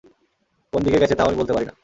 কোন দিকে গেছে তাও আমি বলতে পারি না।